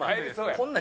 こんなん